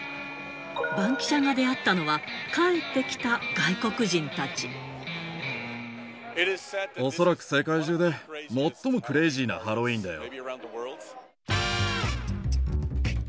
バンキシャが出会ったのは、恐らく世界中で最もクレイジーなハロウィーンだよ。